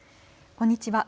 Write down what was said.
こんにちは。